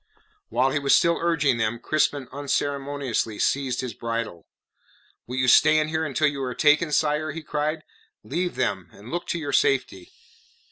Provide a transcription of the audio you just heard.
While he was still urging them, Crispin unceremoniously seized his bridle. "Will you stand here until you are taken, sire?" he cried. "Leave them, and look to your safety."